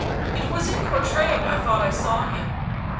" It was in Courtrai I thought I saw him."